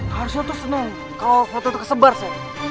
harusnya tuh seneng kalau foto itu kesebar sih